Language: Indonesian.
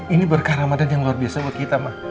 ini berkah ramadan yang luar biasa buat kita mah